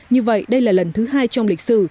như vậy đây là lần thứ hai trong lịch sử